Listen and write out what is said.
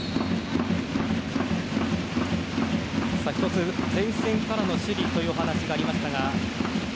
１つ、前線からの守備というお話がありましたが。